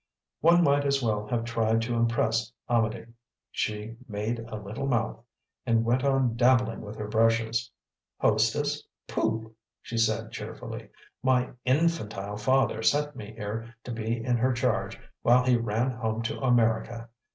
One might as well have tried to impress Amedee. She "made a little mouth" and went on dabbling with her brushes. "Hostess? Pooh!" she said cheerfully. "My INFANTILE father sent me here to be in her charge while he ran home to America.